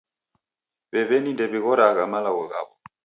W'ew'eni ndew'ighoragha malagho ghaw'o.